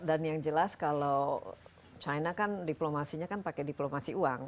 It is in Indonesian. dan yang jelas kalau china kan diplomasinya kan pakai diplomasi uang